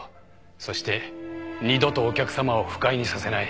そして二度とお客さまを不快にさせない。